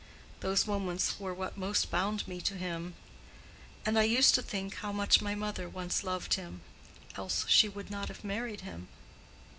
Those moments were what most bound me to him; and I used to think how much my mother once loved him, else she would not have married him.